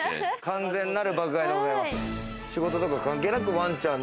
完全なる爆買いでございます。